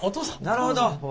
なるほど。